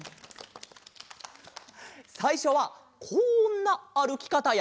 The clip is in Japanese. さいしょはこんなあるきかたや。